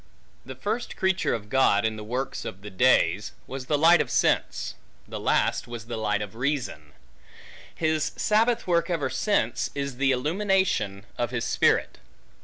The first creature of God, in the works of the days, was the light of the sense; the last, was the light of reason; and his sabbath work ever since, is the illumination of his Spirit.